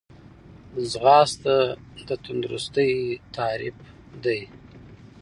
ځغاسته د تندرستۍ تعریف دی